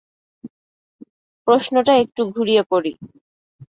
প্রশ্নটা একটু ঘুরিয়ে করি।